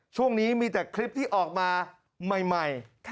ช่วงนี้มีแต่คลิปที่ออกมาใหม่